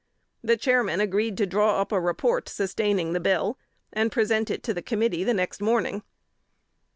The Chairman agreed to draw up a report sustaining the bill, and present it to the committee the next morning.